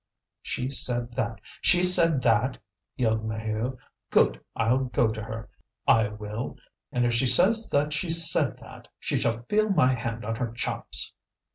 "She said that! She said that!" yelled Maheu. "Good! I'll go to her, I will, and if she says that she said that, she shall feel my hand on her chops!"